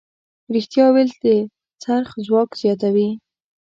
رښتیا ویل د خرڅ ځواک زیاتوي.